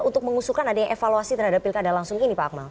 untuk mengusuhkan ada yang evaluasi terhadap pilkada langsung ini pak akmal